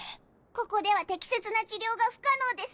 ここでは適切な治療が不可能です。